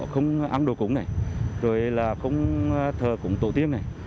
không ăn đồ củng này rồi là không thờ củng tổ tiên này